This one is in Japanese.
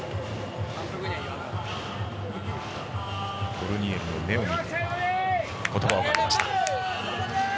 コルニエルの目を見て言葉をかけました。